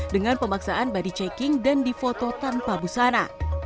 dengan pemaksaan body checking dan di foto tanpa busana